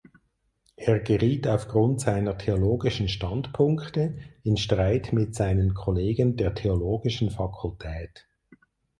Er geriet aufgrund seiner theologischen Standpunkte in Streit mit seinen Kollegen der Theologischen Fakultät.